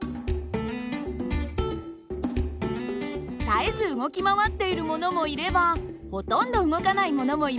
絶えず動き回っているものもいればほとんど動かないものもいます。